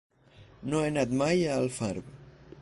No he anat mai a Alfarb.